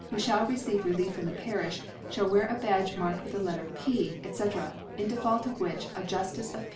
who mall * receive Relief from the Parifli fhall wear * a Badge marked with the Letter P, fc?<:. * in Default of which, a Jufticc of Peace